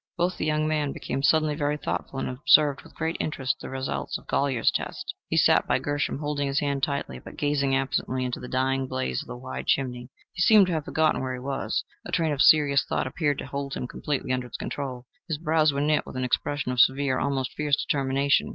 Both the young men became suddenly very thoughtful, and observed with great interest the result of Golyer's "test." He sat by Gershom, holding his hand tightly, but gazing absently into the dying blaze of the wide chimney. He seemed to have forgotten where he was: a train of serious thought appeared to hold him completely under its control. His brows were knit with an expression of severe almost fierce determination.